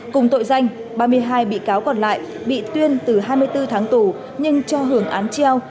cùng tội danh ba mươi hai bị cáo còn lại bị tuyên từ hai mươi bốn tháng tù nhưng cho hưởng án treo